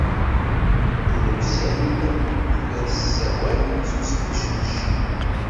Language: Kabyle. Lila u Saɛid tella tessawal s usbucbec.